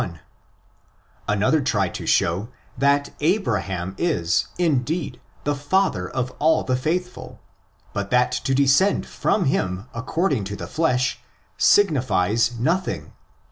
81); another tried to show that Abraham is, indeed, the father of all the faithful, but that to descend from him according to the flesh signifies nothing (iv.)